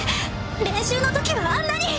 練習のときはあんなに。